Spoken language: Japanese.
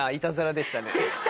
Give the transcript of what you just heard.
でしたね。